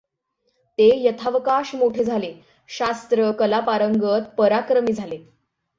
ते यथावकाश मोठे झाले ; शास्त्र कला पारंगत, पराक्रमी झाले.